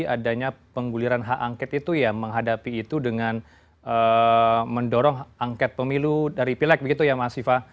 artinya pengguliran hak angket itu ya menghadapi itu dengan mendorong angket pemilu dari pileg begitu ya mas siva